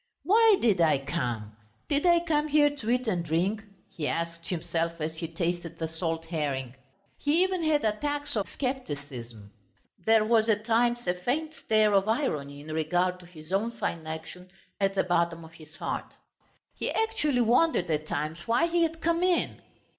"Why did I come? Did I come here to eat and drink?" he asked himself as he tasted the salt herring. He even had attacks of scepticism. There was at moments a faint stir of irony in regard to his own fine action at the bottom of his heart. He actually wondered at times why he had come in.